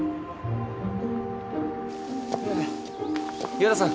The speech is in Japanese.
岩田さん